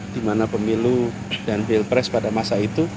di mana pemilu dan pilpres pada masa itu